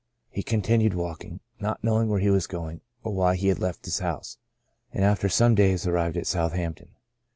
He continued walking, not knowing where he was going, or why he had left his house, and after some days arrived at Southampton.